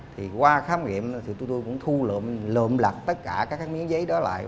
thì qua khám nghiệm thì tụi tôi cũng thu lộn lập tất cả các miếng giấy đó lại